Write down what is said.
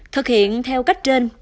thực hiện theo cách trên